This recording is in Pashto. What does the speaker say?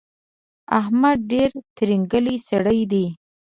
احمد ډېر ترینګلی سړی دی.